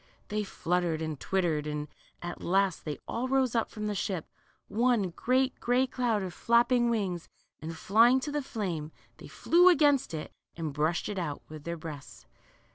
They fluttered and twittered, and at last they all rose up from the ship, one great gray cloud of flapping wings, and flying to the flame, they flew against it and brushed it out with their breasts'.